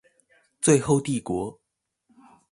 最後帝國